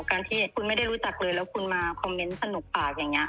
การที่คุณไม่ได้รู้จักเลยแล้วคุณมาคอมเมนต์สนุกปากอย่างนี้